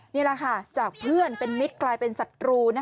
นี่แหละค่ะจากเพื่อนเป็นมิตรกลายเป็นศัตรู